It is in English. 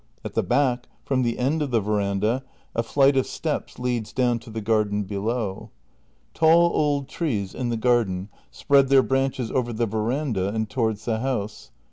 At the back, from the end of the ve randa, a flight of steps leads down to the garden below. Tall old trees in the garden spread their branches over the veranda and towards the house.